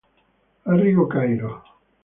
Arrigo Cairo